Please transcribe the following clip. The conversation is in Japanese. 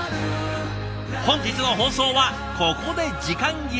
本日の放送はここで時間切れ。